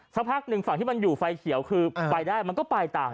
สักพักหนึ่งฝั่งที่มันอยู่ไฟเขียวคือไปได้มันก็ไปต่าง